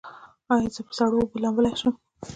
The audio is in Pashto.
ایا زه په سړو اوبو لامبلی شم؟